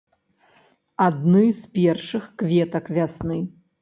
Адны з першых кветак вясны.